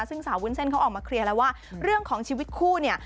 ซึ่งสาววุ้นเส้นเขาออกมาเคลียร์แล้วว่าเรื่องของชีวิตคู่เนี่ย